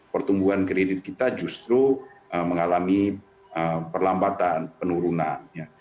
pertumbuhan kredit kita justru mengalami perlambatan penurunan